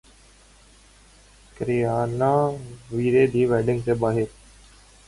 Kareena Veere Di wedding سے باہر